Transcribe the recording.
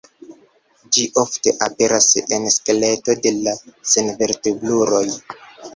Ĝi ofte aperas en skeleto de la senvertebruloj.